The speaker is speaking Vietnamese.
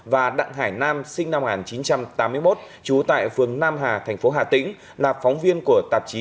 và đặng hải nam sinh năm một nghìn chín trăm tám mươi một trú tại phường nam hà thành phố hà tĩnh là phóng viên của tạp chí